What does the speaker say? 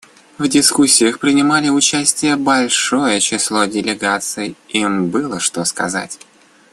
В дискуссиях принимали участие большое число делегаций; им было что сказать.